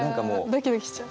ドキドキしちゃう？